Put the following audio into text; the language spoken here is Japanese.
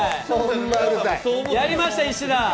やりました、石田。